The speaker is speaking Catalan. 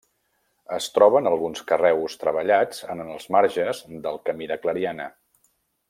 Es troben alguns carreus treballats en els marges del camí de Clariana.